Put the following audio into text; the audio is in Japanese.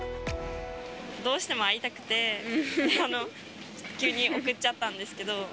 どうしても会いたくて、急に送っちゃったんですけど。